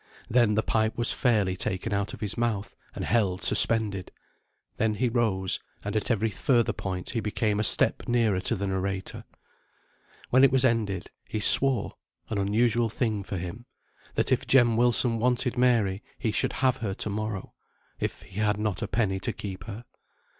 Then the pipe was fairly taken out of his mouth, and held suspended. Then he rose, and at every further point he came a step nearer to the narrator. When it was ended, he swore (an unusual thing for him) that if Jem Wilson wanted Mary he should have her to morrow, if he had not a penny to keep her.